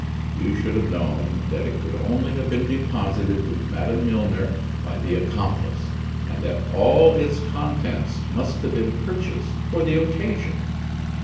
You should have known that it could only have been deposited with Madame Milner by the accomplice, and that all its contents must have been purchased for the occasion."